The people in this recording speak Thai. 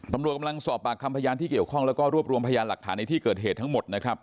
ตำรวจกำลังสอบปากคำพยานที่เกี่ยวข้องแล้วก็รวบรวมพยานหลักฐานในที่เกิดเหตุทั้งหมดนะครับ